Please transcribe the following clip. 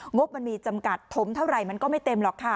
งบมันมีจำกัดถมเท่าไหร่มันก็ไม่เต็มหรอกค่ะ